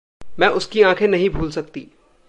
मैं उसकी आँखें नहीं भूल सकती।